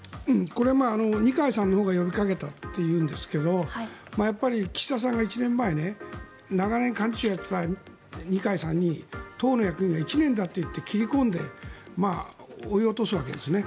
これは二階さんのほうが呼びかけたというんですがやっぱり岸田さんが１年前長年、幹事長をやっていた二階さんに党の役員は１年だと言って切り込んで追い落とすわけですね。